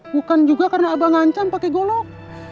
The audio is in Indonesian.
bukan juga karena abah ngancam pake golok